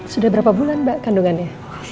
sudah berapa bulan mbak kandungannya